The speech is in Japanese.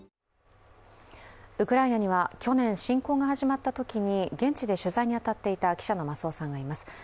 ウクライナには去年侵攻が始まったときに現地で取材に当たっていた記者の増尾さんがいます。